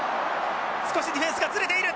少しディフェンスがずれている。